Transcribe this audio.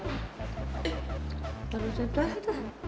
eh taruh di depan